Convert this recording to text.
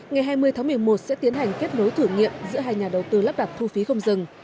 ngày hai mươi tháng một mươi một sẽ tiến hành kết nối thử nghiệm giữa hai nhà đầu tư lắp đặt thu phí không dừng